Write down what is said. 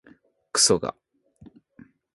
くそが